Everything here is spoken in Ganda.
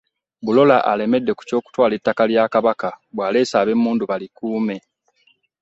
Bulola alemeddekoku ky'okutwala ettaka lya Kabaka bw'aleese ab'emmundu balikuume